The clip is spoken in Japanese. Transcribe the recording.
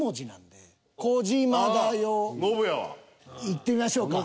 いってみましょうか。